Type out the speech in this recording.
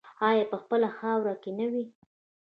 آیا په خپله خاوره کې نه وي؟